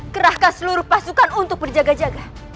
kerahkan seluruh pasukan untuk berjaga jaga